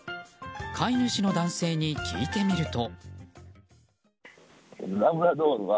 飼い主の男性に聞いてみると。